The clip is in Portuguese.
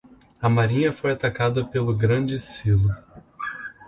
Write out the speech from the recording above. A marinha foi atacada pelo grande silo.